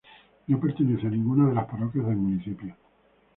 No pertenece a ninguna de las parroquias del municipio.